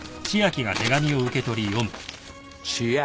「千秋。